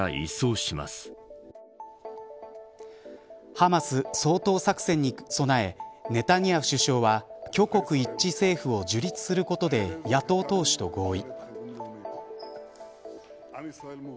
ハマス掃討作戦に備えネタニヤフ首相は挙国一致政府を樹立することで野党党首と合意。